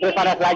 terus panas lagi